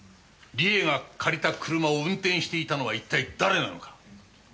理恵が借りた車を運転していたのは一体誰なのか？